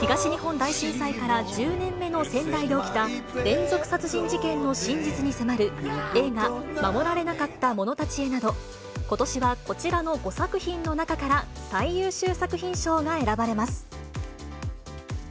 東日本大震災から１０年目の仙台で起きた連続殺人事件の真実に迫る、映画、護られなかった者たちへなど、ことしはこちらの５作品の中から最優秀作品賞が選ばれます。